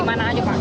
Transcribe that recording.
di mana aja pak